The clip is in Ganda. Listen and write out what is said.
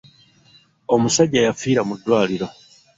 Omusajja yafiira mu ddwaliro.